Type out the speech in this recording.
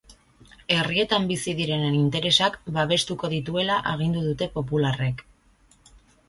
Herrietan bizi direnen interesak babestuko dituela agindu dute popularrek.